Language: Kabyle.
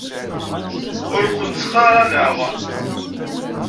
Ur kent-ttqaraneɣ.